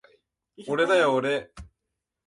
おれだよおれ